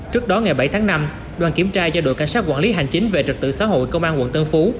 trước đó ngày bảy tháng năm đoàn kiểm tra do đội cảnh sát quản lý hành chính về trật tự xã hội công an quận tân phú